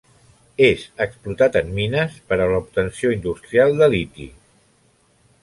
És explotat en mines per a l'obtenció industrial de liti.